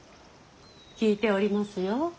聞いておりますよ。